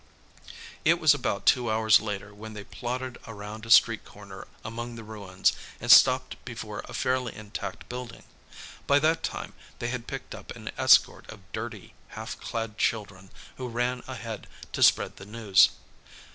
It was about two hours later when they plodded around a street corner among the ruins and stopped before a fairly intact building. By that time, they had picked up an escort of dirty, half clad children who ran ahead to spread the news.